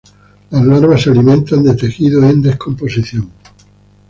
Las larvas se alimentan de tejido en descomposición.